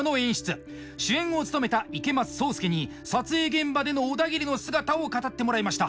主演を務めた池松壮亮に撮影現場でのオダギリの姿を語ってもらいました。